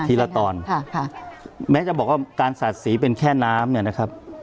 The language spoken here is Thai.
ละตอนค่ะค่ะแม้จะบอกว่าการสาดสีเป็นแค่น้ำเนี่ยนะครับ